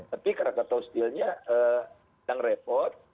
tapi krakatau steel nya yang repot